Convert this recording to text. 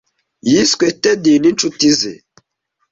Yiswe Ted ninshuti ze.